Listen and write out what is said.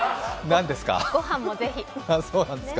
何ですか？